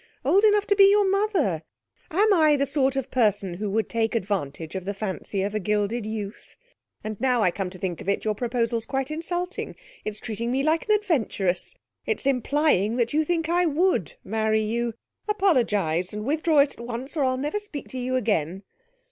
Old enough to be your mother! Am I the sort of person who would take advantage of the fancy of a gilded youth? And, now I come to think of it, your proposal's quite insulting. It's treating me like an adventuress! It's implying that you think I would marry you! Apologise, and withdraw it at once, or I'll never speak to you again.'